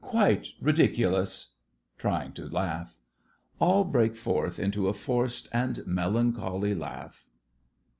Quite ridiculous! (Trying to laugh.) (All break into a forced and melancholy laugh.)